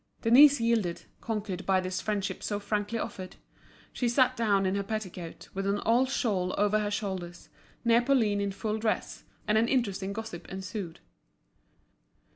Denise yielded, conquered by this friendship so frankly offered. She sat down in her petticoat, with an old shawl over her shoulders, near Pauline in full dress; and an interesting gossip ensued.